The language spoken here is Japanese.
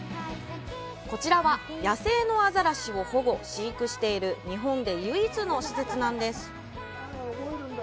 こちらは、野生のアザラシを保護、飼育している日本で唯一の施設なんです。